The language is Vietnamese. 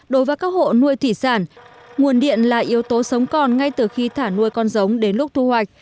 đối với các hộ nuôi thủy sản nguồn điện là yếu tố sống còn ngay từ khi thả nuôi con giống đến lúc thu hoạch